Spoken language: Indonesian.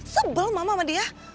sebel mama sama dia